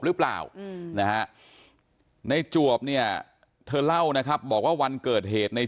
หรือเปล่านะฮะในจวบเนี่ยเธอเล่านะครับบอกว่าวันเกิดเหตุใน